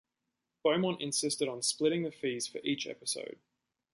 Beaumont insisted on splitting the fees for each episode.